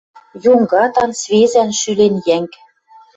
Йонгатан, свезӓн шӱлен йӓнг.